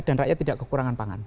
dan rakyat tidak kekurangan pangan